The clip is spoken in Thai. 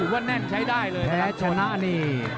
วันแน่นใช้ได้แชนหน้านี่